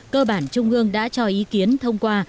cơ bản trung ương đã cho ý kiến thông qua